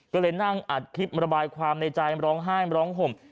ก็เลยนั่งอัดคลิประบายความในใจร้องไห้ร้องห่ม